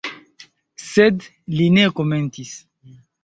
Sed li ne komentis.